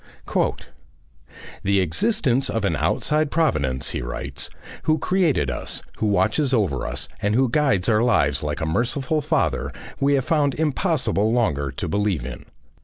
"The existence of an outside Providence," he writes, "who created us, who watches over us, and who guides our lives like a Merciful Father, we have found impossible longer to believe in.